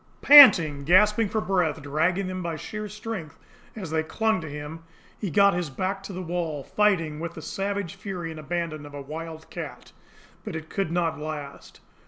Panting, gasping for breath, dragging them by sheer strength as they clung to him, he got his back to the wall, fighting with the savage fury and abandon of a wild cat. But it could not last.